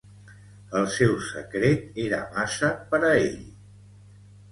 El seu secret era massa per a ell.